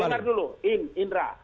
dengar dulu indra